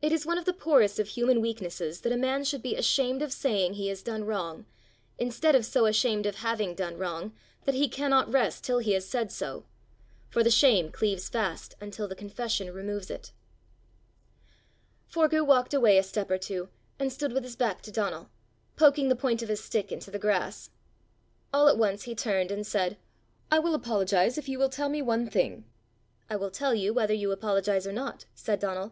It is one of the poorest of human weaknesses that a man should be ashamed of saying he has done wrong, instead of so ashamed of having done wrong that he cannot rest till he has said so; for the shame cleaves fast until the confession removes it. Forgue walked away a step or two, and stood with his back to Donal, poking the point of his stick into the grass. All at once he turned and said: "I will apologize if you will tell me one thing." "I will tell you whether you apologize or not," said Donal.